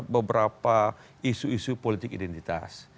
beberapa isu isu politik identitas